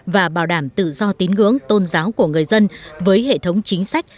và bảo đảm tự do tín ngưỡng tôn giáo của người dân với hệ thống chính sách